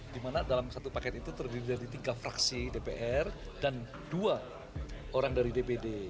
di mana dalam satu paket itu terdiri dari tiga fraksi dpr dan dua orang dari dpd